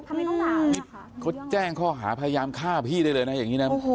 เขาแจ้งข้อหาพยายามฆ่าพี่เลยนะอย่างนี้